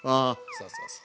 そうそうそう。